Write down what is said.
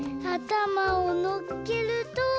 あたまをのっけると。